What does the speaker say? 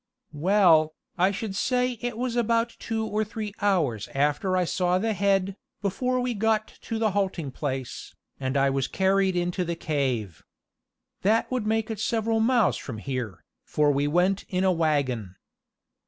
"Well, I should say it was about two or three hours after I saw the head, before we got to the halting place, and I was carried into the cave. That would make it several miles from here, for we went in a wagon."